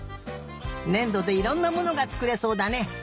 ねんどでいろんなものがつくれそうだね。